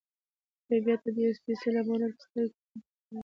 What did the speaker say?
طبیعت ته د یو سپېڅلي امانت په سترګه کتل پکار دي.